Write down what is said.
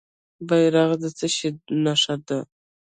بیرغ د څه شي نښه ده؟